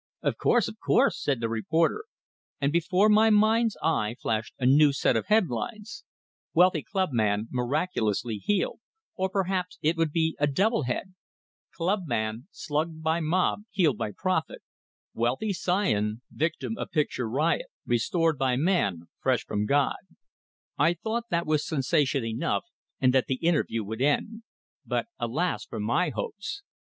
"Of course, of course!" said the reporter; and before my mind's eye flashed a new set of headlines: WEALTHY CLUBMAN MIRACULOUSLY HEALED Or perhaps it would be a double head: CLUBMAN, SLUGGED BY MOB, HEALED BY PROPHET WEALTHY SCION, VICTIM OF PICTURE RIOT, RESTORED BY MAN FRESH FROM GOD I thought that was sensation enough, and that the interview would end; but alas for my hopes!